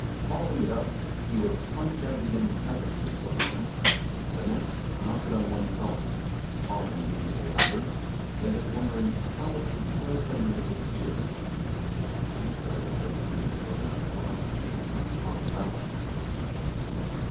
Following it up, he would crunch at it again savagely for a moment, and then next knock it on one side, pausing immediately after, as if wondering how it could so suddenly have disappeared. In this way the persecuted cocoanuts were often chased half across the valley.